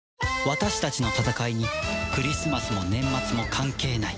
私たちの戦いにクリスマスも年末も関係ない